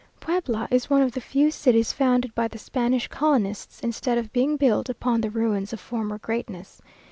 Puebla is one of the few cities founded by the Spanish colonists, instead of being built upon the ruins of former greatness.